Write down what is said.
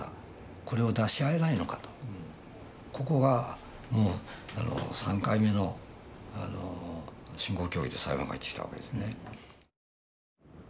これを出し合えないのかとここがもう３回目の進行協議で裁判官が言ってきたわけですね